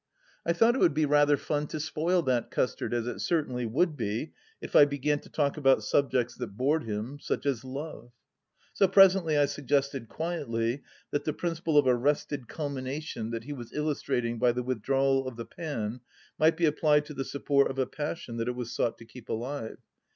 ... I thought it would be rather fun to spoil that custard, as it certainly would be, if I began to talk about subjects that bored him, such as Love 1 So presently I suggested quietly that the principle of arrested culmination that he was illustrating by the with drawal of the pan might be applied to the support of a pas sion that it was sought to keep alive.